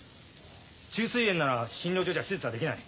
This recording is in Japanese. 虫垂炎なら診療所じゃ手術はできない。